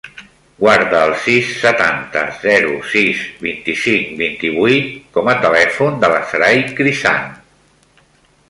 Guarda el sis, setanta, zero, sis, vint-i-cinc, vint-i-vuit com a telèfon de la Saray Crisan.